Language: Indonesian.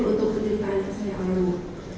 untuk penderitaan yang saya alami